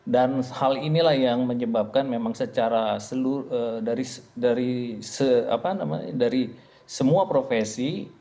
dan hal inilah yang menyebabkan memang secara dari semua profesi